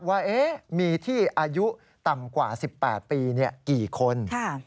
ว่ามีที่อายุต่ำกว่า๑๘ปีกี่คน